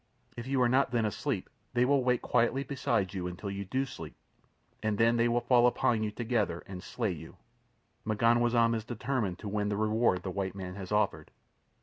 If you are not then asleep they will wait quietly beside you until you do sleep, and then they will all fall upon you together and slay you. M'ganwazam is determined to win the reward the white man has offered."